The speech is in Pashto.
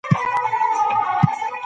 زدهکوونکي د ښوونځي زدهکړې ته دوام ورکوي.